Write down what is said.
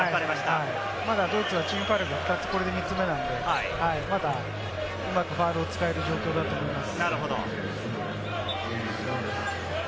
まだドイツはチームファウル、これで３つ目なので、まだうまくファウルを使える状況だと思います。